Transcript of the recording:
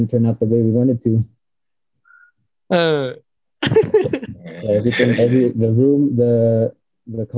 tidak terjadi seperti yang kita inginkan